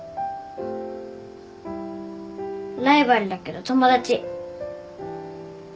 ライバルだけど友達。